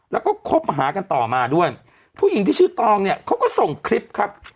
แล้วก็คบหากันต่อมาด้วยผู้หญิงที่ชื่อตองเนี่ยเขาก็ส่งคลิปครับ